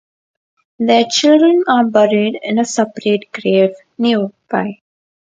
Their children are buried in a separate grave nearby.